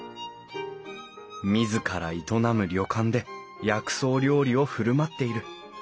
自ら営む旅館で薬草料理を振る舞っている。